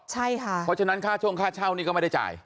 ใช่ค่ะเพราะฉะนั้นค่าช่วงค่าเช่านี่ก็ไม่ได้จ่าย